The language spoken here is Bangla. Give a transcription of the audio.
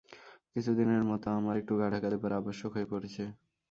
কিছুদিনের মত আমার একটু গা-ঢাকা দেবার আবশ্যক হয়ে পড়েছে।